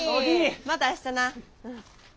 また明日な。